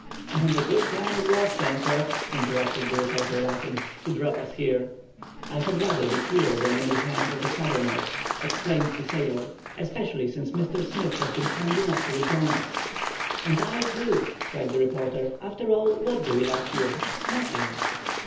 "And a good plan it was, Pencroff," interrupted the reporter, laughing, "to drop us here!" "I had rather be here than in the hands of the Southerners!" exclaimed the sailor, "especially since Mr. Smith has been kind enough to rejoin us!" "And I, too," cried the reporter. "After all, what do we lack here? Nothing."